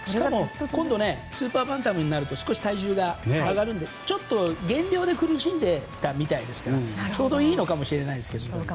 今度スーパーバンタム級になると少し、体重が上がるのでちょっと減量で苦しんでいたみたいですからちょうどいいのかもしれないですけど。